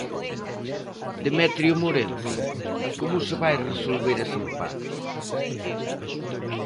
Demetrio Morenza, como se vai resolver ese empate?